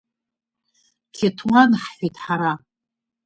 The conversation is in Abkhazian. Қьеҭуан, — ҳҳәеит ҳара.